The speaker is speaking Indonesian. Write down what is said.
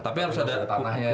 tapi harus ada tanahnya